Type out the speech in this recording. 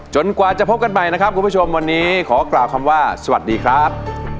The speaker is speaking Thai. กว่าจะพบกันใหม่นะครับคุณผู้ชมวันนี้ขอกล่าวคำว่าสวัสดีครับ